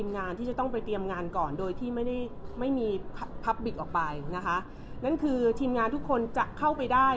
ทีมงานที่จะต้องไปเตรียมงานก่อนโดยที่ไม่ได้ไม่มีออกไปนะคะนั่นคือทีมงานทุกคนจะเข้าไปได้